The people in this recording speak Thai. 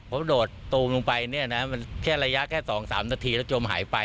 เพราะว่าโดดตรงลงไปเนี่ยนะมันแค่ระยะแค่สองสามนาทีแล้วจมหายไป